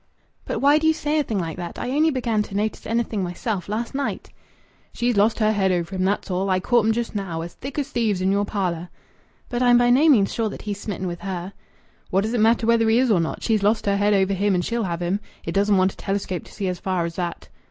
"But why do you say a thing like that? I only began to notice anything myself last night." "She's lost her head over him, that's all. I caught 'em just now.... As thick as thieves in your parlour!" "But I'm by no means sure that he's smitten with her." "What does it matter whether he is or not? She's lost her head over him, and she'll have him. It doesn't want a telescope to see as far as that."